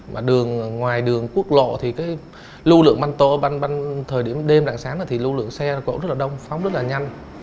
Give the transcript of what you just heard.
mà đường ngoài đường quốc lộ thì cái lưu lượng banh tối banh banh thời điểm đêm đằng sáng thì lưu lượng xe cũng rất là đông phóng rất là nhanh